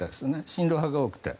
親ロ派が多くて。